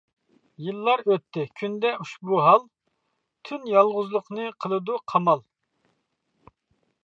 يىللار ئۆتتى، كۈندە ئۇشبۇ ھال، تۈن يالغۇزلۇقنى قىلىدۇ قامال.